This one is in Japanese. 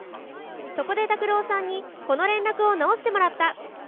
そこで拓朗さんにこの連絡を直してもらった。